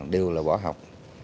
đều là bỏ học